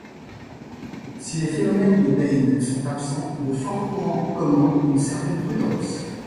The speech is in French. Si les phénomènes de baïnes sont absents, de forts courants commandent une certaine prudence.